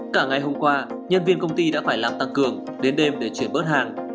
cả ngày hôm qua nhân viên công ty đã phải làm tăng cường đến đêm để chuyển bớt hàng